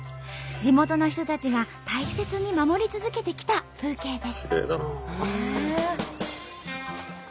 地元の人たちが大切に守り続けてきた風景です。